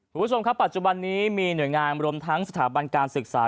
คุณผู้ชมครับปัจจุบันนี้มีหน่วยงานรวมทั้งสถาบันการศึกษา